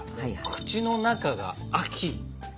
口の中が秋！